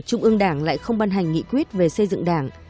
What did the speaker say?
trung ương đảng lại không ban hành nghị quyết về xây dựng đảng